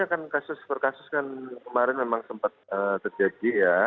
ya kan kasus per kasus kan kemarin memang sempat terjadi ya